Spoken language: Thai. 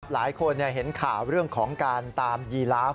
หลายคนเห็นข่าวเรื่องของการตามยีลาฟ